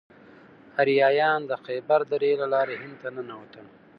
آریایان د خیبر درې له لارې هند ته ننوتل.